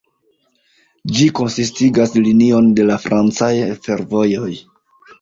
Ĝi konsistigas linion de la francaj fervojoj.